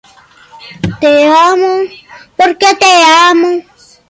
Allí entabló amistad con el brillante pintor y dibujante Jujeño Medardo Pantoja.